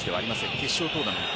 決勝トーナメント。